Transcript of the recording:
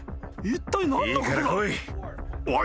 おい。